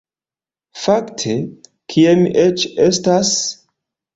Fakte, kie mi eĉ estas?